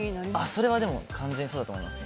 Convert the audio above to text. それは完全にそうだと思います。